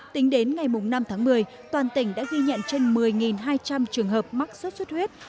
tính đến ngày năm tháng một mươi toàn tỉnh đã ghi nhận trên một mươi hai trăm linh trường hợp mắc sốt xuất huyết